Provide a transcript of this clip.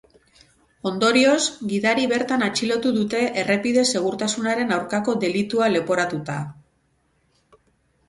Ondorioz, gidari bertan atxilotu dute errepide-segurtasunaren aurkako delitua leporatuta.